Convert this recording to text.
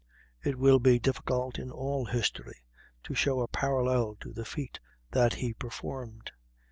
It will be difficult, in all history, to show a parallel to the feat that he performed.